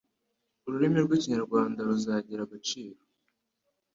uririmi rw'ikinyarwanda ruzagira agaciro